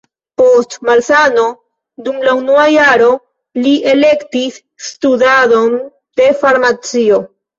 Post malsano dum la unua jaro li elektis studadon de farmacio.